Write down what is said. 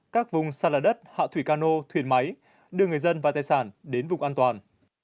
các vùng xa lở đất hạ thủy cano thuyền máy đưa người dân và tài sản đến vùng an toàn